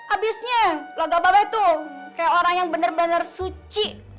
abisnya laga mba be tuh kayak orang yang bener bener suci